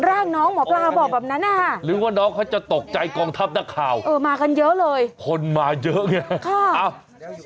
ร่างน้องหมอปลาบอกแบบนั้นนะคะหรือว่าน้องเขาจะตกใจกองทัพนักข่าวเออมากันเยอะเลยคนมาเยอะไง